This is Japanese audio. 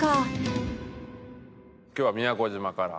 今日は宮古島から？